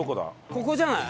ここじゃない？